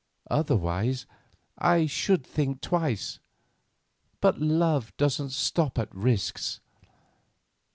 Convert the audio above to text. Otherwise, I should think twice; but love doesn't stop at risks."